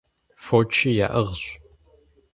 Фочи яӀыгъщ.